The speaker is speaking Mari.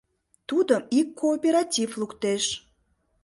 Тудым ик кооператив луктеш.